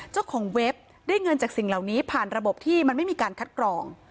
เว็บได้เงินจากสิ่งเหล่านี้ผ่านระบบที่มันไม่มีการคัดกรอง